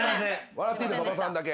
笑っていいの馬場さんだけ。